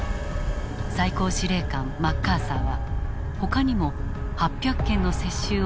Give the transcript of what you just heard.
最高司令官マッカーサーはほかにも８００件の接収を命じた。